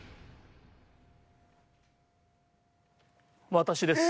私です。